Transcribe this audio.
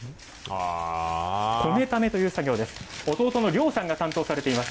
骨たねという作業です。